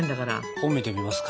本見てみますか。